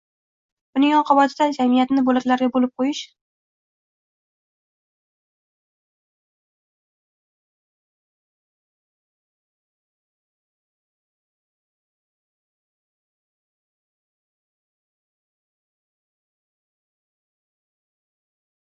Buni qanday amalga oshirishim mumkin?